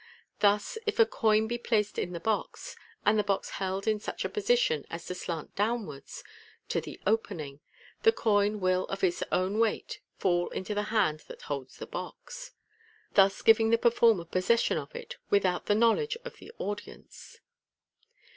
Thus, if a coin be placed in the box, and the box held in such a position as to slant downwards to the opening, the coin will of its own weight fall into the hand that holds the box (see Fig. 83), thus giving the performer possession of it without the knowledge of the audience.